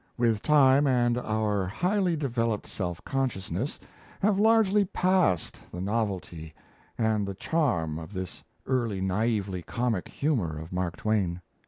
With time and "our more highly developed self consciousness" have largely passed the novelty and the charm of this early naively comic humour of Mark Twain.